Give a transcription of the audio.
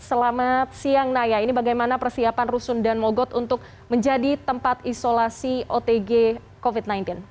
selamat siang naya ini bagaimana persiapan rusun dan mogot untuk menjadi tempat isolasi otg covid sembilan belas